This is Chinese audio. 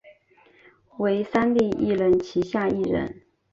为三立艺能旗下艺人。